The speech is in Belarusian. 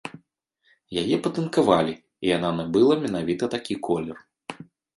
Яе патынкавалі, і яна набыла менавіта такі колер.